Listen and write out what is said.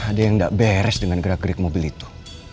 ada yang tidak beres dengan gerak gerik mobil itu